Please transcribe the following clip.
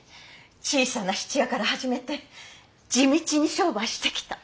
小さな質屋から始めて地道に商売してきた。